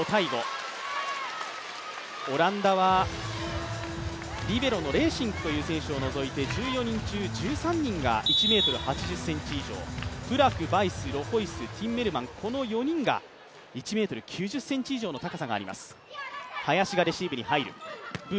オランダはリベロのレーシンクという選手を除いて１４人中１３人が１ｍ８０ｃｍ以上、プラク、バイス、ロホイス、ティンメルマン、この４人が１ｍ９０ｃｍ以上の高さがあります。